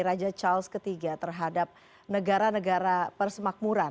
raja charles iii terhadap negara negara persemakmuran